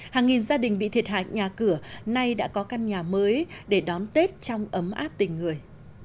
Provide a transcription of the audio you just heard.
hàng nghìn gia đình bị thiệt hại nhà cửa nay đã có căn nhà mới để đón tết trong ấm áp tình người